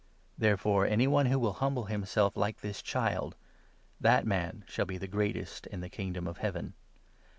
Therefore, any one who will humble himself like this child — 4 that man shall be the greatest in the Kingdom of Heaven.